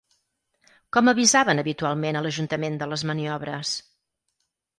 Com avisaven habitualment a l'ajuntament de les maniobres?